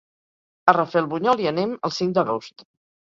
A Rafelbunyol hi anem el cinc d'agost.